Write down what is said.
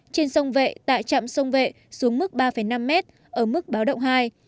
trên sông vệ tại trạm sông vệ xuống mức ba năm m ở mức báo động hai